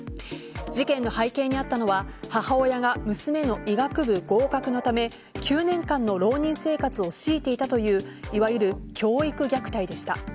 事件の背景にあったのは母親が娘の医学部合格のため９年間の浪人生活を強いていたといういわゆる教育虐待でした。